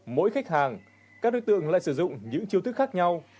mỗi khách hàng các đối tượng lại sử dụng những chiêu thức khác nhau